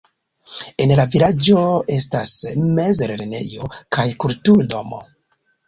En la vilaĝo estas mezlernejo kaj kultur-domo.